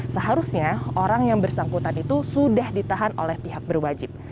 seharusnya orang yang bersangkutan itu sudah ditahan oleh pihak berwajib